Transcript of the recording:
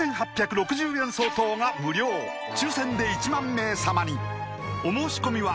４８６０円相当が無料抽選で１万名様にお申し込みは